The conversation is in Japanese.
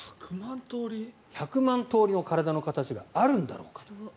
１００万通りの体の形があるんだろうかと。